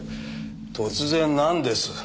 突然なんです？